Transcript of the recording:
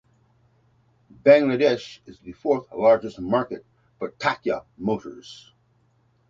Bangladesh is the fourth largest market for Tata motors.